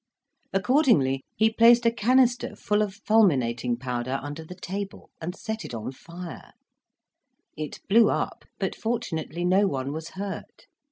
Accordingly, he placed a canister full of fulminating powder under the table, and set it on fire: it blew up, but fortunately no one was hurt.